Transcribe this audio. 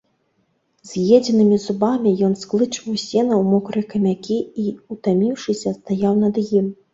З'едзенымі зубамі ён склычваў сена ў мокрыя камякі і, утаміўшыся, стаяў над ім.